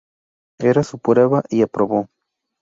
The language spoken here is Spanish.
Era su prueba, y aprobó.